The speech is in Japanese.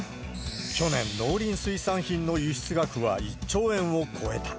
去年、農林水産品の輸出額は１兆円を超えた。